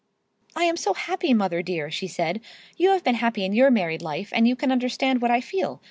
"I am so happy, mother dear," she said. "You have been happy in your married life, and you can understand what I feel.